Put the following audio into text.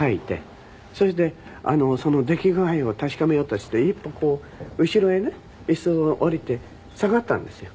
そしてその出来具合を確かめようとして一歩こう後ろへね椅子を下りて下がったんですよ。